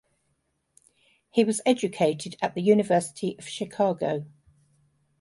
He was educated at the University of Chicago.